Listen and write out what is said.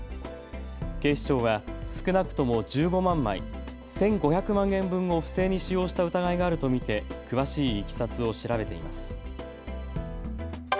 警視庁は少なくとも１５万枚、１５００万円分を不正に使用した疑いがあると見て詳しいいきさつを調べています。